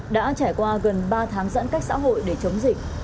đã trải qua gần ba tháng giãn cách xã hội để chống dịch